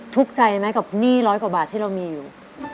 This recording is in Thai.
ทุกข์ใจไหมกับหนี้ร้อยกว่าบาทที่เรามีอยู่